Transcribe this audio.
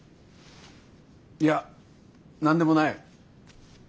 いや何でもない。